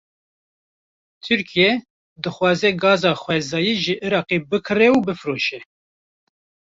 Tirkiye, dixwaze gaza xwezayî ji Îraqê bikire û bifroşe